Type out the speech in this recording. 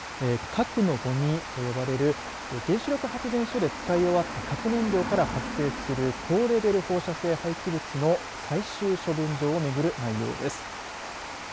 核のごみと呼ばれる原子力発電所で使い終わった核燃料から発生する高レベル放射性廃棄物の最終処分場をめぐる内容です。